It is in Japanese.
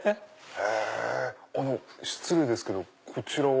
あの失礼ですけどこちらは？